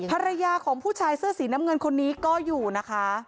ภรรยาของผู้ชายเสื้อสีน้ำเงินคนนี้ก็อยู่นะคะ